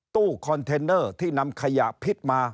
ตู้คอนเทนเนอร์ที่นำขยะพิษมา